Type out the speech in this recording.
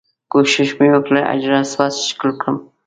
کوښښ مې وکړ حجر اسود ښکل کړم.